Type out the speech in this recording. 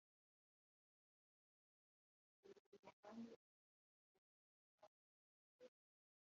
ryavuguruye kugeza ubu cyane cyane mu ngingo